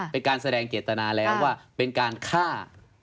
เป็นการแสดงเจตนาแล้วว่าเป็นการฆ่า